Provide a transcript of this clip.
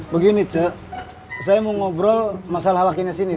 begini saya mau ngobrol masalah lakinya sini